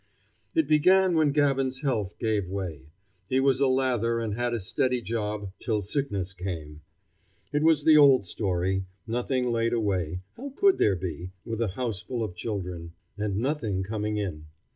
It began when Gavin's health gave way. He was a lather and had a steady job till sickness came. It was the old story: nothing laid away how could there be, with a houseful of children? and nothing coming in.